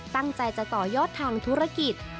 ตั้งใจจะต่อยอดทางธุรกิจ